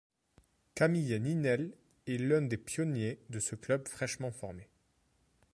Camille Ninel est l'un des pionniers de ce club fraîchement formé.